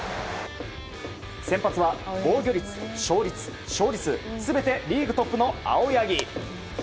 先発は防御率、勝率、勝利数全てリーグトップの青柳。